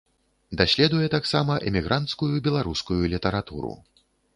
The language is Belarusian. Даследуе таксама эмігранцкую беларускую літаратуру.